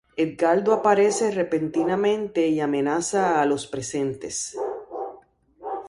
Edgardo aparece repentinamente y amenaza a los presentes.